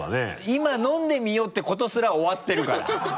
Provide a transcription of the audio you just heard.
今飲んでみようってことすら終わってるから。